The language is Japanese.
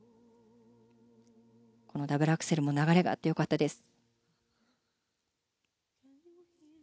このダブルアクセルも流れがあってよかったです。